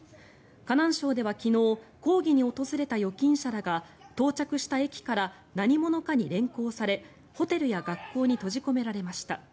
河南省では昨日抗議に訪れた預金者らが到着した駅から何者かに連行されホテルや学校に閉じ込められました。